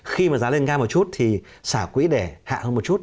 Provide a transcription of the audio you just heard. khi mà giá lên cao một chút thì xả quỹ để hạ hơn một chút